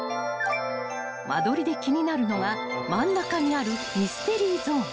［間取りで気になるのが真ん中にあるミステリーゾーン］